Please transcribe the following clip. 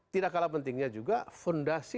tidak kalah pentingnya juga fondasi